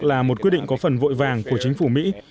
là một quyết định có phần vội vàng của chính phủ mỹ